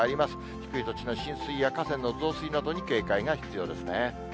低い土地の浸水や河川の増水などに警戒が必要ですね。